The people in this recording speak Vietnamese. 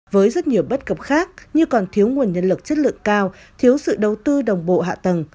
với rất nhiều bất cập khác như còn thiếu nguồn nhân lực chất lượng cao thiếu sự đầu tư đồng bộ hạ tầng